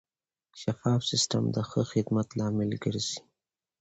شفاف سیستم د ښه خدمت لامل ګرځي.